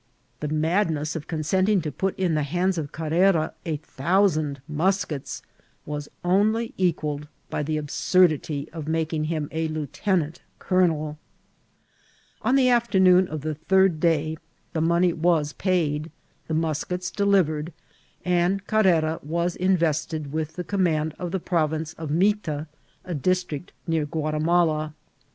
The madness <^ cmisentin^ to put in the hands of Carrero a thousand muskets was only equalled by the absurdity of making him a lieutenant«coloneL On the afternoon of the third day the money was paid, the muskets delivered, and Carrera was invested with the command of the province of Mita, a district near Guatimala.